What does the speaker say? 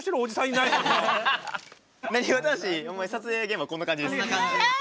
なにわ男子ほんまに撮影現場はこんな感じです。